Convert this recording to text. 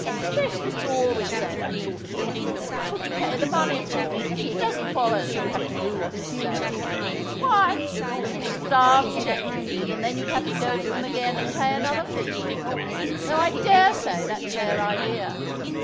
Specialists always say that sort of thing; that's what you pay the money for; but it doesn't follow that you do what they say. Why, you'd starve to death if you did, and then you'd have to go to them again and pay another fee—though I dare say that's their idea.